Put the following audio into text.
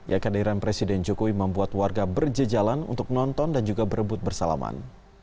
ya kandiran presiden jokowi membuat warga berjejalan untuk nonton dan juga berebut bersalaman